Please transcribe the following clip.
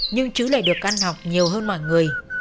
nhưng chứ lại được ăn học nhiều hơn mọi người